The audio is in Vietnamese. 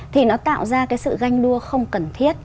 thì nó tạo ra cái sự ganh đua không cần thiết